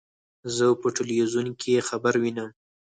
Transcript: زه په ټلویزیون کې خبر وینم.